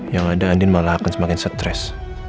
yang ada andin malah akan semakin stres